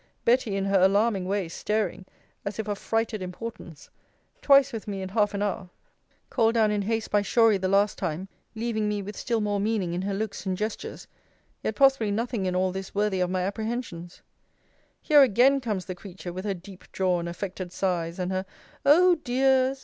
Betty in her alarming way, staring, as if of frighted importance; twice with me in half an hour; called down in haste by Shorey the last time; leaving me with still more meaning in her looks and gestures yet possibly nothing in all this worthy of my apprehensions Here again comes the creature, with her deep drawn affected sighs, and her O dear's!